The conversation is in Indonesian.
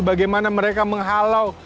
bagaimana mereka menghalau